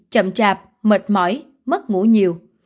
chậm chạp mệt mỏi mất ngủ nhiều